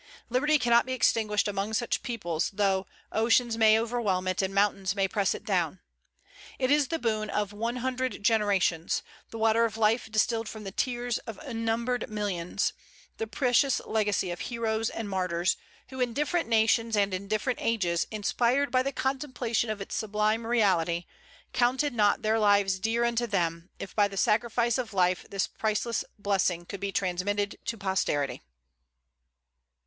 Liberty cannot be extinguished among such peoples, though "oceans may overwhelm it and mountains may press it down." It is the boon of one hundred generations, the water of life distilled from the tears of unnumbered millions, the precious legacy of heroes and martyrs, who in different nations and in different ages, inspired by the contemplation of its sublime reality, counted not their lives dear unto them, if by the sacrifice of life this priceless blessing could be transmitted to posterity.